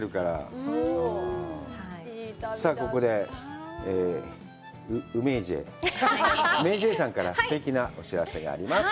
さあ、ここでウメーＪ、ＭａｙＪ．さんから、すてきなお知らせがあります。